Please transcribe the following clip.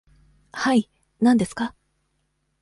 はい、何ですか。